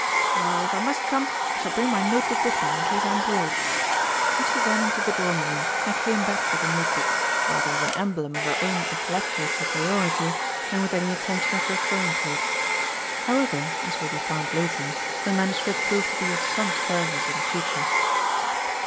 Well, if I must come, I shall bring my note book with me in case I'm bored." And she ran into the drawing room, and came back with the note book, rather as an emblem of her own intellectual superiority than with any intention of referring to it. However, as will be found later, the manuscript proved to be of some service in the future.